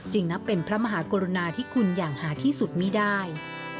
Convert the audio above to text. จึงนับเป็นพระมหากรณาที่คุณอย่างหาที่สุดมีดาย